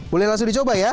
boleh langsung dicoba ya